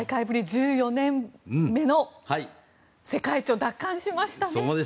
１４年目の世界一を奪還しましたね。